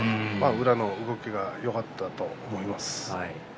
宇良の動きがよかったと思います。